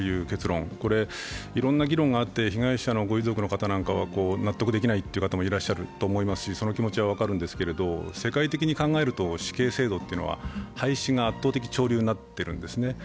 これ、いろんな議論があって、被害者のご遺族の方には納得できない方もいらっしゃるし、お気持ちも分かるんですけど、世界的に考えると死刑制度というのは廃止が圧倒的潮流になっているんですね。